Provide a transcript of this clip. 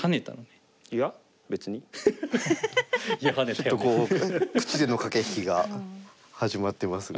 ちょっとこう口での駆け引きが始まってますが。